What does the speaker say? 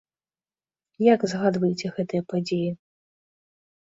Як згадваеце гэтыя падзеі?